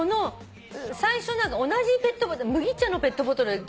最初同じペットボトル麦茶のペットボトルだけに反応してたの。